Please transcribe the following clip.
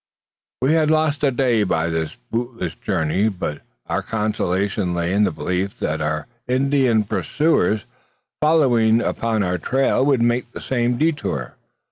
We had lost a day by this bootless journey; but our consolation lay in the belief that our Indian pursuers, following upon our trail, would make the same detour.